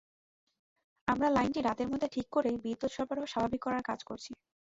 আমরা লাইনটি রাতের মধ্যে ঠিক করে বিদ্যুৎ সরবরাহ স্বাভাবিক করার কাজ করছি।